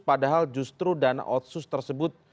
padahal justru dana otsus tersebut